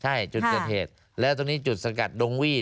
ใช่จุดเกิดเหตุแล้วตรงนี้จุดสกัดดงวี่